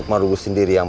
raden walang sung sang